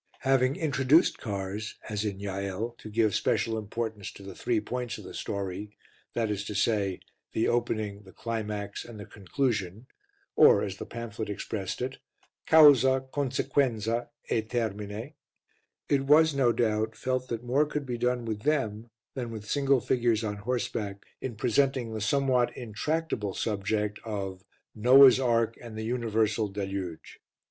Having introduced cars, as in Jael, to give special importance to the three points of the story, viz. the opening, the climax, and the conclusion (or, as the pamphlet expressed it, Causa, Consequenza e Termine), it was, no doubt, felt that more could be done with them than with single figures on horseback in presenting the somewhat intractable subject of Noah's Ark and the Universal Deluge.